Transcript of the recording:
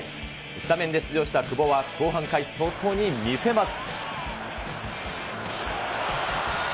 スタメンで出場した久保は後半開始早々に見せます。